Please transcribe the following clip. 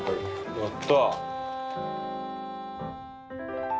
やった！